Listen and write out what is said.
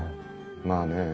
まあねえ